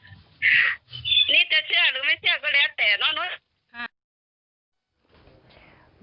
แต่นั่น